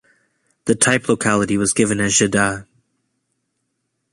The type locality was given as Jeddah.